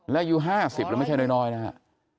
แล้วอายุ๕๐แล้วไม่ใช่น้อยนะครับ